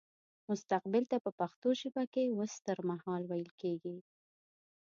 مستقبل ته په پښتو ژبه کې وستهرمهال ويل کيږي